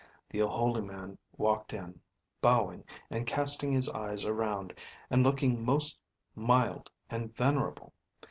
The holy man walked in, bowing and casting his eyes around, and looking most mild and venerable.